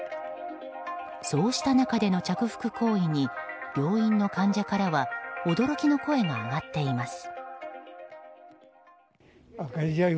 そうした中での着服行為に病院の患者からは驚きの声が上がっています。